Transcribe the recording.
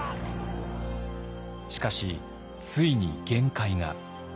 しかしついに限界が。